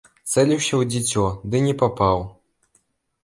Цэліўся ў дзіцё, ды не папаў.